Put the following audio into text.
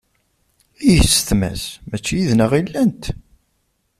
I yessetma-s? Mačči yid-neɣ i llant?